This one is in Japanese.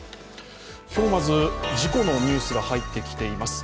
今日、まず事故のニュースが入ってきています。